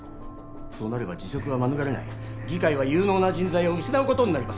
そうなれば辞職は免れない議会は有能な人材を失うことになります